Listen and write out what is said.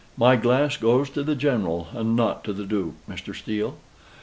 My glass goes to the General, and not to the Duke, Mr. Steele."